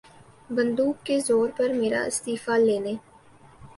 بندوق کے زور پر میرا استعفیٰ لینے